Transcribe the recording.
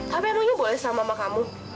tapi emangnya boleh sama mama kamu